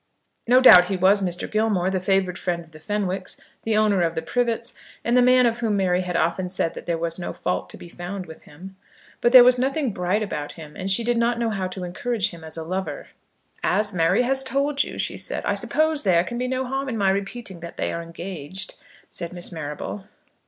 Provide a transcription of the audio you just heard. No doubt he was Mr. Gilmore, the favoured friend of the Fenwicks, the owner of the Privets, and the man of whom Mary had often said that there was no fault to be found with him. But there was nothing bright about him, and she did not know how to encourage him as a lover. "As Mary has told you," she said, "I suppose there can be no harm in my repeating that they are engaged," said Miss Marrable.